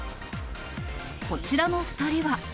こちらの２人は。